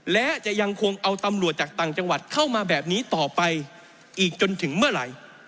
และจะยังคงเอาตำรวจจากต่างจังหวัดเข้ามาแบบนี้ต่อไปอีกจนถึงเมื่อไหร่